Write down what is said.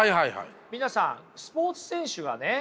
皆さんスポーツ選手がね